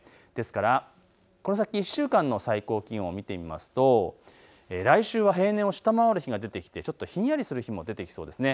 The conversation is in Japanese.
ですからこの先１週間の最高気温を見てみますと来週は平年を下回る日が出てきてちょっとひんやりする日も出てきそうです。